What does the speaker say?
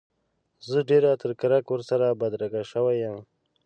زه ډېره تر کرک ورسره بدرګه شوی یم.